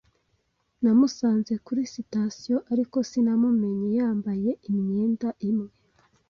Namusanze kuri sitasiyo, ariko sinamumenye yambaye imyenda imwe.